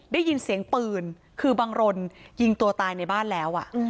ได้ยินเสียงปืนคือบังรนยิงตัวตายในบ้านแล้ว